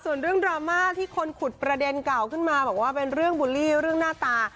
ส่วนเรื่องดราม่าที่คนขุดประเด็นเก่าขึ้นมาบอกว่าเป็นเรื่องบูลลี่เรื่องหน้าตา